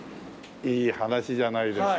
いい話じゃないですか。